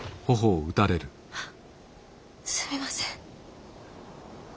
あすみません。